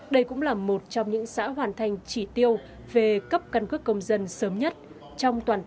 đây cũng là một trong những xã hoàn thành chỉ tiêu về cấp căn cước công dân sớm nhất trong toàn tỉnh